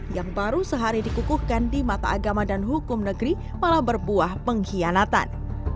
yang baru sehari dikukuhkan di mata agama dan hukum negeri malah berbuah pengkhianatan